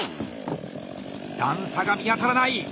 段差が見当たらない！